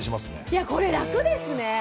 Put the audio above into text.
いやこれ楽ですね！